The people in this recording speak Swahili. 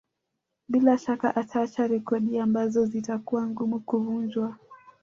Bila shaka ataacha rekodi ambazo zitakuwa ngumu kuvunjwa